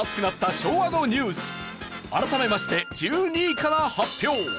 改めまして１２位から発表。